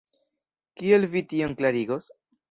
Kiel vi tion klarigos?